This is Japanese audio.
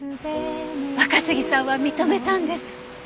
若杉さんは認めたんです。